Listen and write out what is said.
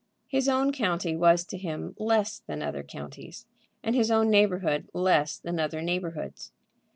His own county was to him less than other counties, and his own neighborhood less than other neighborhoods.